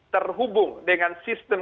terhubung dengan sistem